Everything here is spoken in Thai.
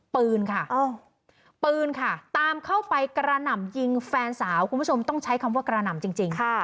ปืนค่ะปืนค่ะตามเข้าไปกระหน่ำยิงแฟนสาวคุณผู้ชมต้องใช้คำว่ากระหน่ำจริง